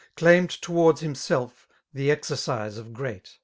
Claimed tow'rds himself the exercise of great.